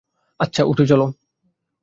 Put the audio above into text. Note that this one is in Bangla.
আচ্ছা, ওঠো, চলো।